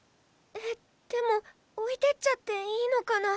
えっでも置いてっちゃっていいのかな。